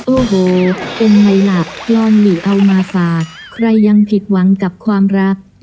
โอ้โหเป็นไงล่ะลองหลีเอามาฝากใครยังผิดหวังกับความรัก